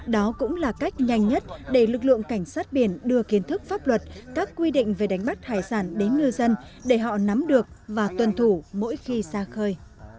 đó cũng là cách nhanh nhất để lực lượng cảnh sát biển đưa kiến thức pháp luật các quy định về đánh bắt hải sản đến ngư dân để họ nắm được và tuân thủ mỗi khi xa khơi